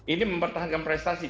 ini mempertahankan prestasi